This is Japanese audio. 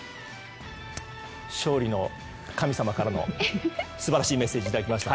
勝利の神様からの素晴らしいメッセージいただきました。